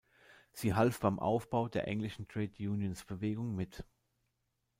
Sie half beim Aufbau der englischen Trade-Unions-Bewegung mit.